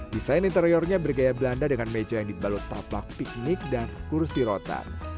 desain interiornya bergaya belanda dengan meja yang dibalut taplak piknik dan kursi rotan